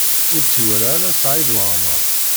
Ur tt-iwala ara Saɛid Waɛmaṛ.